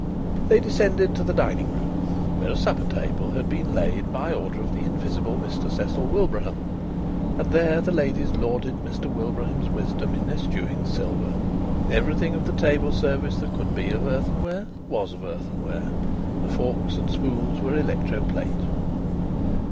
They descended to the dining room, where a supper table had been laid by order of the invisible Mr Cecil Wilbraham. And there the ladies lauded Mr Wilbraham's wisdom in eschewing silver. Everything of the table service that could be of earthenware was of earthenware. The forks and spoons were electro plate.